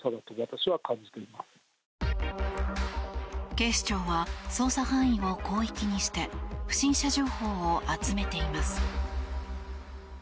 警視庁は捜査範囲を広域にして不審者情報を集めています。